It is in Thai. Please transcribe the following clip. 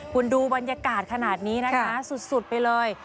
คุณดูบรรยากาศขนาดนี้นะคะสุดไปเลย